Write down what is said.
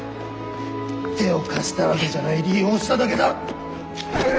手を貸したわけじゃない利用しただけだ。